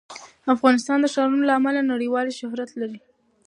افغانستان د ښارونو له امله نړیوال شهرت لري.